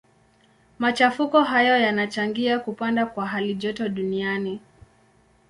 Machafuko hayo yanachangia kupanda kwa halijoto duniani.